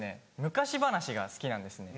昔話が好きなんですね。